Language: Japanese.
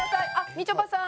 みちょぱさん。